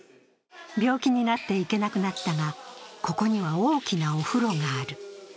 病気になって行けなくなったが、ここには大きなお風呂がある。